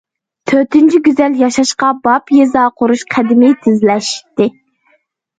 تۆتىنچى، گۈزەل، ياشاشقا باب يېزا قۇرۇش قەدىمى تېزلەشتى.